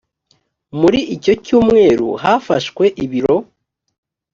muri icyo cyumweru hafashwe ibiro